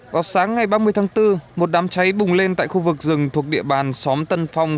vào sáng ngày ba mươi tháng bốn một đám cháy bùng lên tại khu vực rừng thuộc địa bàn xóm tân phong